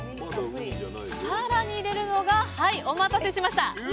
更に入れるのがお待たせしました。